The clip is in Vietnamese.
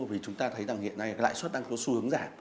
vì chúng ta thấy rằng hiện nay lãi suất đang có xu hướng giảm